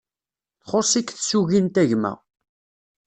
Txuṣ-ik tsugint a gma